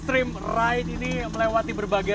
terima kasih akan telah menonton